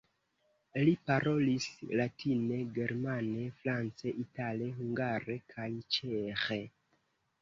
Li parolis latine, germane, france, itale, hungare kaj ĉeĥe.